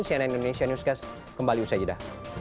cnn indonesia newscast kembali usai jeda